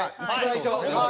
最初。